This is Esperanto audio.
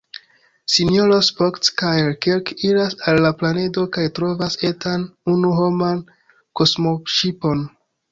Sinjoro Spock kaj Kirk iras al la planedo kaj trovas etan unu-homan kosmoŝipon.